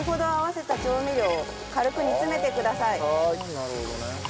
なるほどね。